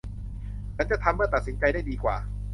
ฉันจะทำเมื่อตัดสินใจได้ดีกว่า